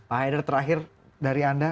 pak haidar terakhir dari anda